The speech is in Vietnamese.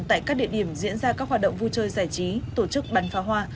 tại các địa điểm diễn ra các hoạt động vui chơi giải trí tổ chức bắn phá hoa